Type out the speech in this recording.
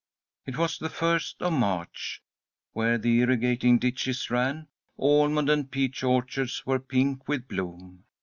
It was the first of March. Where the irrigating ditches ran, almond and peach orchards were pink with bloom.